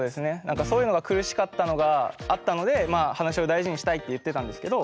そういうのが苦しかったのがあったので話し合いを大事にしたいって言ってたんですけど。